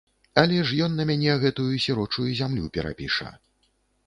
Але ж ён на мяне гэтую сірочую зямлю перапіша.